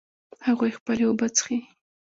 هغوی خپلې اوبه څښي